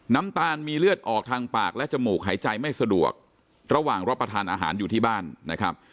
น้ำตาลมีเลือดออกทางปากและจมูกหายใจไม่สะดวกระหว่างรับประทานอาหารอยู่ที่บ้านนะครับ